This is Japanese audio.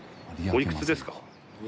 おいくつですか？